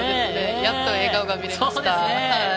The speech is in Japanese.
やっと笑顔が見れました。